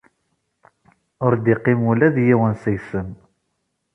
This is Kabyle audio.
Ur d-iqqim ula d yiwen seg-sen.